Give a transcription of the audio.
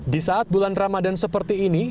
di saat bulan ramadan seperti ini